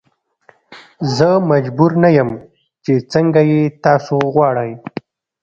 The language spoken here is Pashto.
زه مجبور نه یم چې څنګه یې تاسو غواړئ.